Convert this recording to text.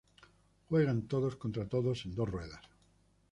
Juegan todos contra todos en dos ruedas.